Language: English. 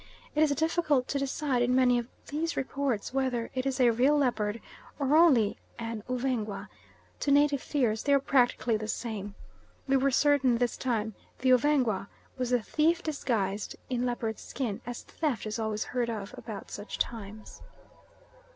It is difficult to decide in many of these reports whether it is a real leopard or only an Uvengwa to native fears they are practically the same, we were certain this time the Uvengwa was the thief disguised in leopard's skin, as theft is always heard of about such times."